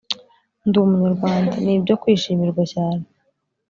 Ndumunyarwanda nibyo kwishimirwa cyane